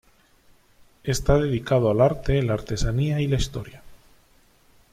Está dedicado al arte, la artesanía y la historia.